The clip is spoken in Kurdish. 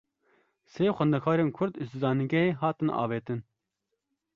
Sê xwendekarên Kurd, ji zanîngehê hatin avêtin